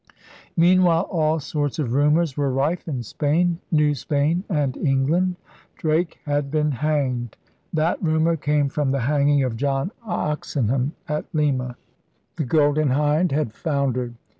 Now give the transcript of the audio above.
Meanwhile all sorts of rumors were rife in Spain, New Spain, and England. Drake had been 144 ELIZABETHAN SEA DOGS hanged. That rumor came from the hanging of John Oxenham at Lima. The Golden Hind had foundered.